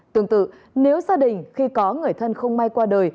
tương tự nếu gia đình khi có người thân không may quanh